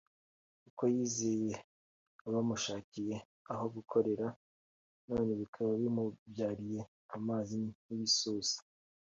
kuko yizeye abamushakiye aho gukorera none bikaba bimubyariye amazi nk’ibisusa